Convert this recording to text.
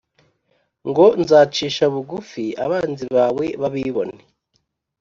Ngo Nzacisha bugufi abanzi bawe babibone